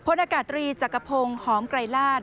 อากาศตรีจักรพงศ์หอมไกรลาศ